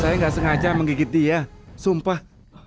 saya nggak sengaja menggigit dia sumpah